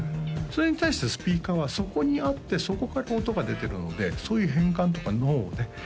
それに対してスピーカーはそこにあってそこから音が出てるのでそういう変換とか脳をね